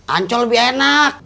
ancol lebih enak